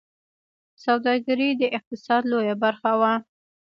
سوداګري د اقتصاد لویه برخه وه